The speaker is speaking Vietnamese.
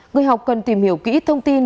người học cần tìm hiểu kỹ thông tin